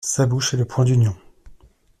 Sa bouche est le point d'Union.